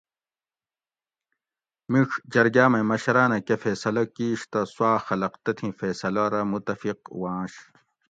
مِیڄ جرگاۤ مئی مشراۤنہ کہ فیصلہ کِیش تہ سوآۤ خلق تتھی فیصلہ رہ متفق وانش